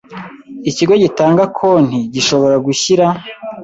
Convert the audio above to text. Ikigo gitanga konti gishobora gushyira